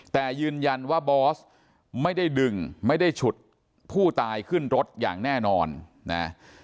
แต่ยืนยันว่าบอสไม่ได้ดึงไม่ได้ฉุดผู้ตายขึ้นรถอย่างแน่นอนนะ